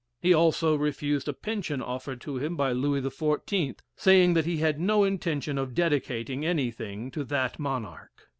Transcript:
He also refused a pension offered to him by Louis XIV, saying that he had no intention of dedicating anything to that monarch.